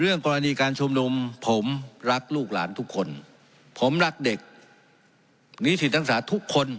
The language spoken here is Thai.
เรื่องกรณีการชมนุมผมรักลูกหลานทุกคนผมรักเด็กนิทธิตังษาทุกคน